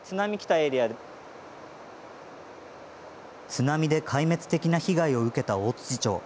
津波で壊滅的な被害を受けた大槌町。